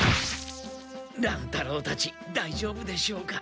乱太郎たちだいじょうぶでしょうか。